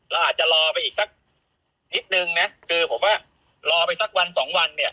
เราอาจจะรอไปอีกสักนิดนึงนะคือผมว่ารอไปสักวันสองวันเนี่ย